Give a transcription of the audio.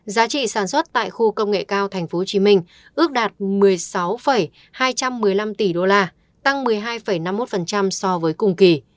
giá trị sản xuất tại khu công nghệ cao tp hcm ước đạt một mươi sáu hai trăm một mươi năm tỷ đô la tăng một mươi hai năm mươi một so với cùng kỳ